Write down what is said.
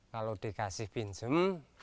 kalau dikasih pinsem